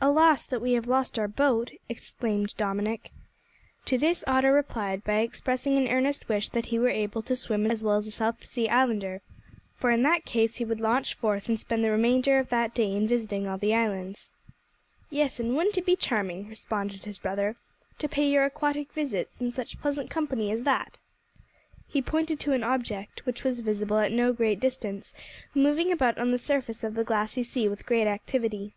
"Alas! that we have lost our boat," exclaimed Dominick. To this Otto replied by expressing an earnest wish that he were able to swim as well as a South Sea islander, for in that case he would launch forth and spend the remainder of that day in visiting all the islands. "Yes; and wouldn't it be charming," responded his brother, "to pay your aquatic visits in such pleasant company as that?" He pointed to an object, which was visible at no great distance, moving about on the surface of the glassy sea with great activity.